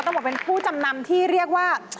บอกเป็นผู้จำนำที่เรียกว่า